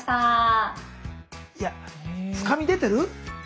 いや深み出てる？